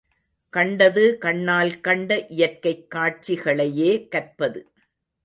கண்டது கண்ணால் கண்ட இயற்கைக் காட்சி களையே கற்பது.